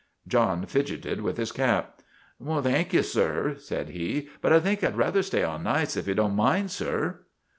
John fidgeted' with his cap. "Thank you, sir," said he, "but I think I'd rather stay on nights, if you don't mind, sir."